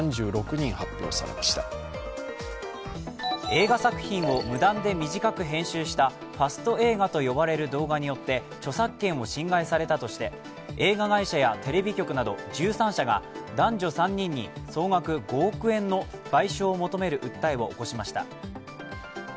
映画作品を無断で短く編集したファスト映画と呼ばれる動画によって著作権を侵害されたとして映画会社やテレビ局など１３社が男女３人に総額５億円の賠償を求める訴えを起こしました。